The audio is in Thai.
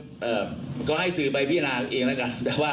นะครับผมก็ต้องให้การว่าเขาให้การขัดแย้งข้อเรียกจริงนะครับ